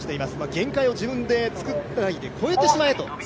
限界を自分で作らないで超えてしまえと。